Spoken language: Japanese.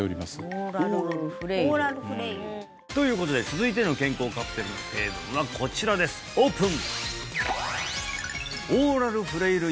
オーラルフレイルということで続いての健康カプセルの成分はこちらですオープン！